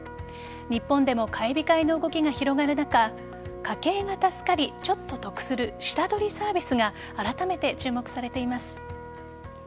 日本でも買い控えの動きが広がる中家計が助かり、ちょっと得する下取りサービスがあらためて注目されています。